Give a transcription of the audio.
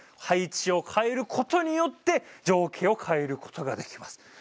配置を変えることによって情景を変えることができます。